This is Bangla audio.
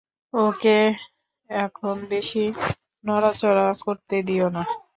ওকে এখন বেশি নড়াচড়া করতে দিও না।